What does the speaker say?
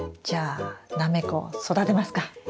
じゃあナメコ育てますか。